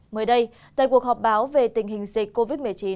mới đây tại cuộc họp báo về tình hình dịch covid một mươi chín